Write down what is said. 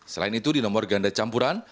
selain itu di nomor ganda campuran